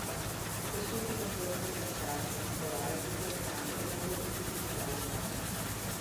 Quest'ultima forma di capitale in particolare è determinante per la competitività urbana.